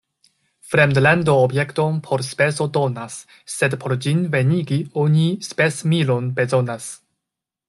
Fremdlando objekton por speso donas, sed por ĝin venigi, oni spesmilon bezonas.